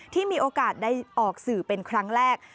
ที่มีโอกาสได้ออกสื่อเป็นครั้งแรก